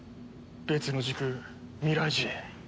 別の時空未来人。